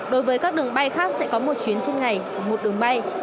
đối với các đường bay khác sẽ có một chuyến trên ngày của một đường bay